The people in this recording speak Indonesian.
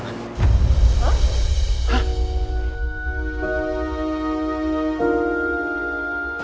pertama kali gue ngerjain dia